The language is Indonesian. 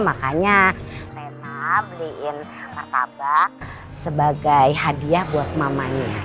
makanya rena beliin martabak sebagai hadiah buat mamanya